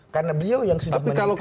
karena beliau yang sudah meniklat